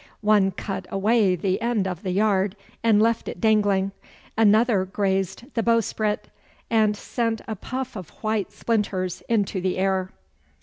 One cut away the end of the yard, and left it dangling; another grazed the bowsprit, and sent a puff of white splinters into the air.